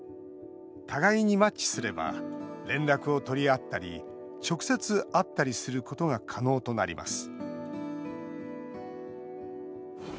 互いにマッチすれば連絡を取り合ったり直接、会ったりすることが可能となります